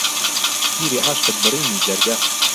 تیری ئاشقت بڕیمی جەرگه